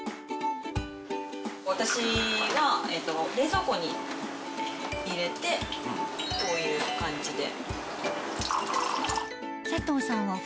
私は冷蔵庫に入れてこういう感じで。